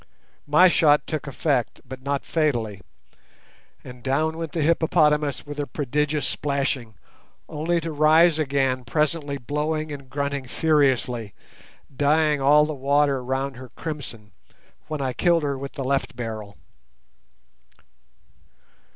My shot took effect, but not fatally, and down went the hippopotamus with a prodigious splashing, only to rise again presently blowing and grunting furiously, dyeing all the water round her crimson, when I killed her with the left barrel.